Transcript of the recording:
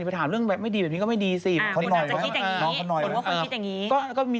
ไปถามเรื่องแบบไม่ดีแบบนี้ก็ไม่ดีสิ